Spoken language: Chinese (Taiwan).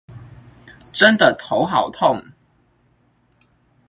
真的頭好痛